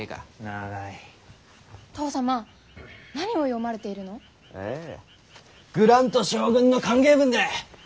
あぁグラント将軍の歓迎文だ。